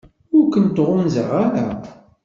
Ur kent-ɣunzaɣ ara.